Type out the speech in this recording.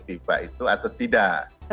fifa itu atau tidak